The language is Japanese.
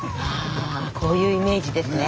こういうイメージですね。